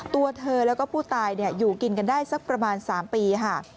ตัวเธอแล้วก็ผู้ตายอยู่กินกันได้สักประมาณ๓ปีค่ะ